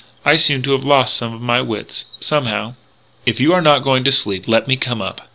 I seem to have lost some of my wits.... Somehow...." "If you are not going to sleep, let me come up."